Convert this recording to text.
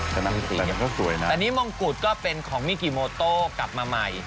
นั่นสิก็สวยนะอันนี้มงกุฎก็เป็นของมิกิโมโต้กลับมาใหม่